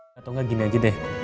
gak tau gak gini aja deh